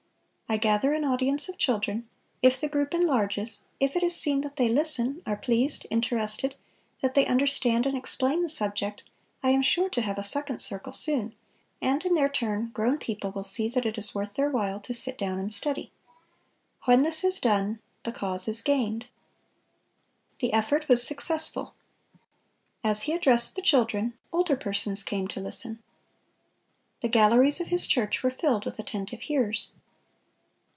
I gather an audience of children; if the group enlarges, if it is seen that they listen, are pleased, interested, that they understand and explain the subject, I am sure to have a second circle soon, and in their turn, grown people will see that it is worth their while to sit down and study. When this is done, the cause is gained."(607) The effort was successful. As he addressed the children, older persons came to listen. The galleries of his church were filled with attentive hearers.